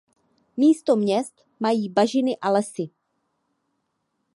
Místo měst mají bažiny a lesy.